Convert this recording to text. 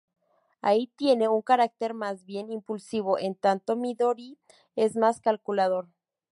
Ai tiene un carácter más bien impulsivo, en tanto Midori es más calculador.